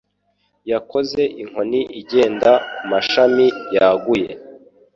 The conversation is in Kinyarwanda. Yakoze inkoni igenda kumashami yaguye